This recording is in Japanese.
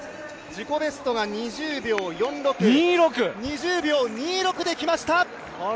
自己ベストが２４秒４６、２４秒２６で来ました。